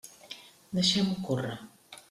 Deixem-ho córrer.